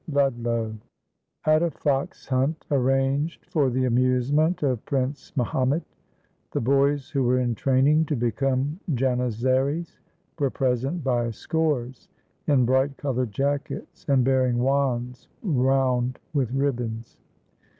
LUDLOW [At a fox hunt arranged for the amusement of Prince Ma homet, the boys who were in training to become Janizaries were present by scores in bright colored jackets and bearing wands wound with ribbons.